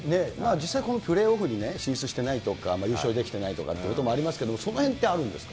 実際このプレーオフに申請してないとか、優勝できてないとかっていうところもありますけど、そのへんってあるんですか。